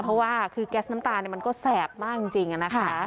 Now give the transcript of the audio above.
เพราะว่าคือแก๊สน้ำตาลมันก็แสบมากจริงนะคะ